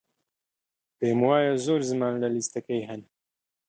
پێم وایە زۆر زمان لە لیستەکەی هەن.